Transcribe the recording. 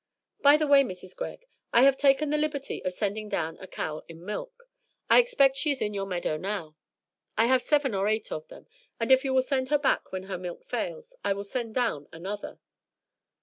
By the way, Mrs. Greg, I have taken the liberty of sending down a cow in milk. I expect she is in your meadow now. I have seven or eight of them, and if you will send her back when her milk fails I will send down another."